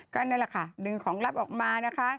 ก็นั่นแหละค่ะดึงของลับออกมานะคะ